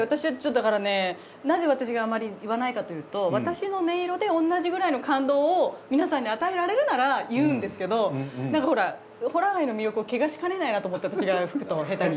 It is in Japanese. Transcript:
だからねなぜ私があまり言わないかというと私の音色で同じくらいの感動を皆さんに与えられるなら言うんですけどなんかほら法螺貝の魅力を汚しかねないなと思って私が吹くと下手に。